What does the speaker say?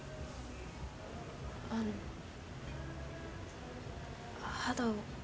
あの肌を。